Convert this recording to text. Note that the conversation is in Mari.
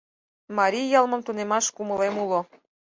— Марий йылмым тунемаш кумылем уло.